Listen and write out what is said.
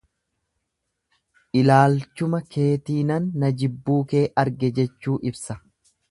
llaalchuma keetiinan na jibbuu kee arge jechuu ibsa.